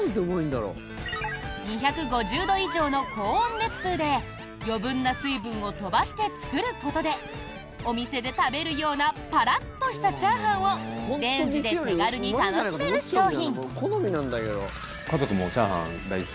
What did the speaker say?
２５０度以上の高温熱風で余分な水分を飛ばして作ることでお店で食べるようなパラッとしたチャーハンをレンジで手軽に楽しめる商品。